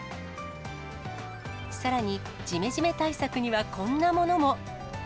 さらに、じめじめ対策にはこんなものも。